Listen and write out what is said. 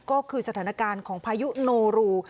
ก็คือสถานการณ์ของพายุโนรู